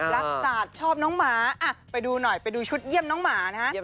รักษาชอบน้องหมาไปดูหน่อยไปดูชุดเยี่ยมน้องหมานะฮะ